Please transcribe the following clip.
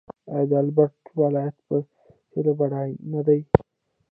آیا د البرټا ولایت په تیلو بډایه نه دی؟